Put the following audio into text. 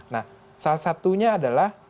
nah salah satunya adalah